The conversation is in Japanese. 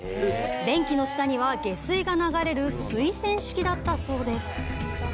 便器の下には下水が流れる水洗式だったそうです。